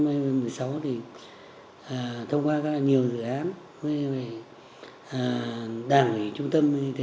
thông qua rất là nhiều dự án về đảng ủy trung tâm như thế